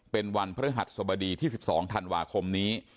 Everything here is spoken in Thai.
เป็นวันพฤหัสสบดีที่๑๒ธันวาคมนี้